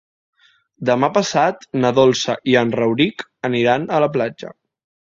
Demà passat na Dolça i en Rauric aniran a la platja.